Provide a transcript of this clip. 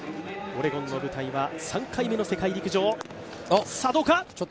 オレゴンの舞台は３回目の世界陸上。